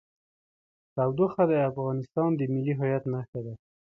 تودوخه د افغانستان د ملي هویت نښه ده.